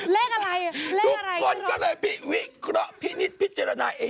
ซื้อเลขนี้เหรอรถเขาเลขอะไรทุกคนก็เลยพิวิเกาะพินิษฐ์พิเจรณา